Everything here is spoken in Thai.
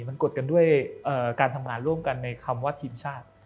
มันกดกันด้วยการทำงานร่วมกันในคำว่าทีมชาติ